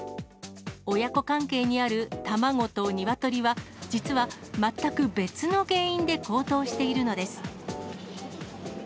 親子関係にある卵とニワトリは、実は全く別の原因で高騰しているのです。